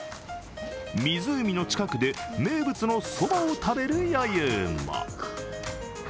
湖の近くで、名物のそばを食べる余裕も。